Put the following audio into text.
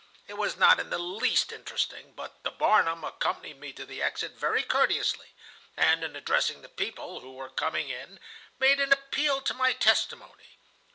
It was not in the least interesting, but the Barnum accompanied me to the exit very courteously, and, in addressing the people who were coming in, made an appeal to my testimony.